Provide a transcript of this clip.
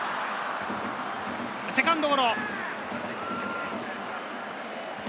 セカンドゴロです。